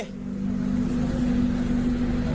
กลับ